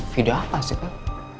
video apa sih kak